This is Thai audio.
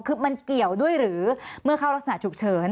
คือมันเกี่ยวด้วยหรือเมื่อเข้ารักษณะฉุกเฉิน